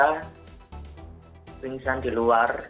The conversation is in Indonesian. paling saja di luar